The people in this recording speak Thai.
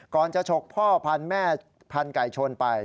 ก่อนจะฉกพ่อพันแม่พันไก่ชนไป